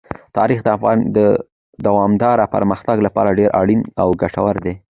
تاریخ د افغانستان د دوامداره پرمختګ لپاره ډېر اړین او ګټور دی.